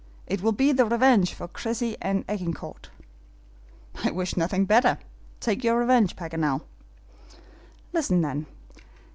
It will be the revenge for Cressy and Agincourt." "I wish nothing better. Take your revenge, Paganel." "Listen, then.